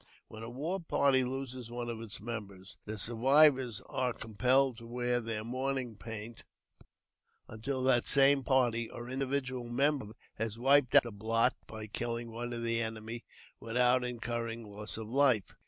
gj When a war party loses one of its members, the survivortsi are compelled to wear their mourning paint, until that same party, or an individual member of it, has wiped out the blot by killing one of the enemy without incurring loss of life.